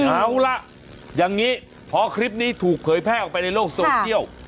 เอาล่ะอย่างนี้พอคลิปนี้ถูกเผยแพร่ออกไปในโลกโซเชียล